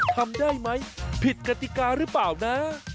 ทำได้ไหมผิดกติกาหรือเปล่านะ